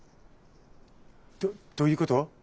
どどういうこと？